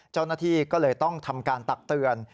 เจ้าหน้าที่ก็เลยต้องทำการตักเตือน